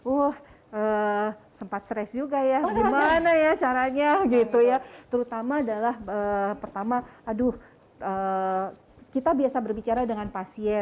uh sempat stres juga ya gimana ya caranya gitu ya terutama adalah pertama aduh kita biasa berbicara dengan pasien